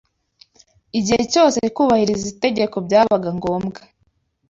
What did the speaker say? igihe cyose kubahiriza itegeko byabaga ngombwa.